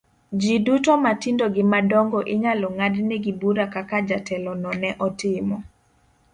Ji duto matindo gi madongo inyalo ng'adnegi bura kaka jatelo no ne otimo.